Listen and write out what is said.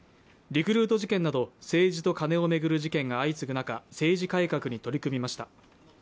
リクルート事件など政治とカネを巡る事件が相次ぐ中、政治改革に取り組みました。